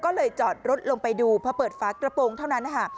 ก็เลยจอดรถลงไปดูเพราะเปิดฟ้ากระโปรงเท่านั้น